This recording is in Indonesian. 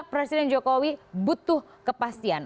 presiden jokowi butuh kepastian